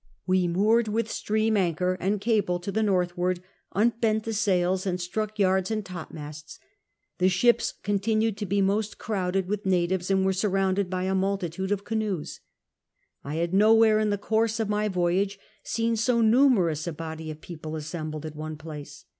... We moored with stream anchor and cable to the northward, nnlieiit the sails, and strinrk yards and topmasts. The ships continued to l>e most crow<led with natives and were surrounded by a multitinle of caru>es, I had nowhere in the course of iny voyage seen so numerous a body of people aasemblofl at one place.